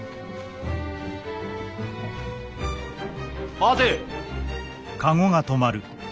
待て。